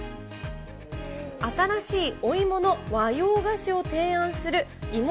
新しいお芋の和洋菓子を提供する芋